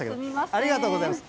ありがとうございます。